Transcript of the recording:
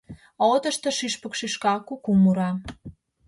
А отышто шӱшпык шӱшка, куку мура...